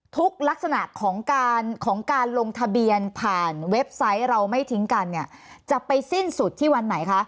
ลักษณะของการของการลงทะเบียนผ่านเว็บไซต์เราไม่ทิ้งกันเนี่ยจะไปสิ้นสุดที่วันไหนคะ